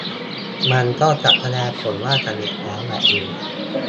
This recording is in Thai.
มันก็จะแสดงผลว่าสำเร็จแล้วแบบนี้